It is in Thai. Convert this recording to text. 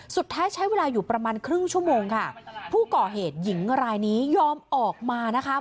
สุดท้ายใช้เวลาอยู่ประมาณครึ่งชั่วโมงค่ะผู้ก่อเหตุหญิงรายนี้ยอมออกมานะคะ